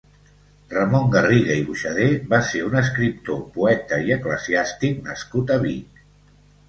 Ramon Garriga i Boixader va ser un escriptor, poeta i eclesiàstic nascut a Vic.